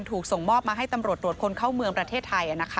ถูกส่งมอบมาให้ตำรวจตรวจคนเข้าเมืองประเทศไทย